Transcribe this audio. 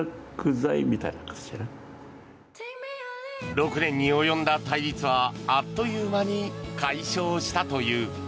６年に及んだ対立はあっという間に解消したという。